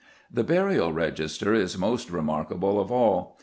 The Burial Register is most remarkable of all.